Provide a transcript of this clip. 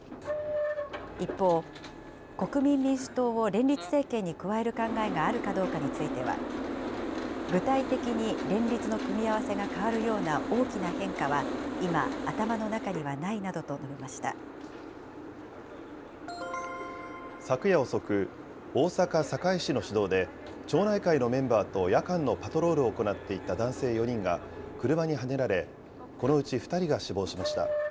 一方、国民民主党を連立政権に加える考えがあるかどうかについては、具体的に連立の組み合わせが変わるような大きな変化は今、昨夜遅く、大阪・堺市の市道で、町内会のメンバーと夜間のパトロールを行っていた男性４人が車にはねられ、このうち２人が死亡しました。